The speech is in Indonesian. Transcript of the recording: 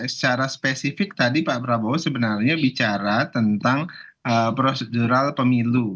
secara spesifik tadi pak prabowo sebenarnya bicara tentang prosedural pemilu